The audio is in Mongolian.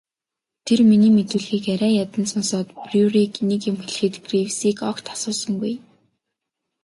Тэр миний мэдүүлгийг арай ядан сонсоод Бруерыг нэг юм хэлэхэд Гривсыг огт асуусангүй.